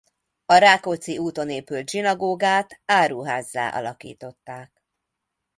A Rákóczi úton épült zsinagógát áruházzá alakították.